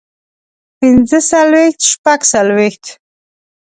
پنځۀ څلوېښت شپږ څلوېښت